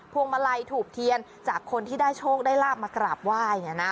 พวงมาลัยถูกเทียนจากคนที่ได้โชคได้ราบมากราบไหว้อย่างนี้นะ